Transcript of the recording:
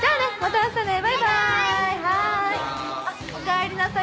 おかえりなさい。